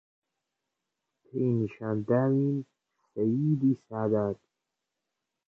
پێی نیشان داوین سەییدی سادات